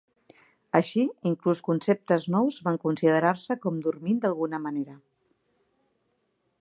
Així, inclús conceptes nous van considerar-se com dormint d'alguna manera.